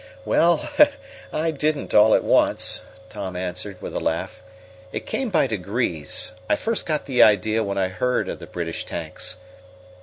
"Well, I didn't all at once," Tom answered, with a laugh. "It came by degrees. I first got the idea when I heard of the British tanks.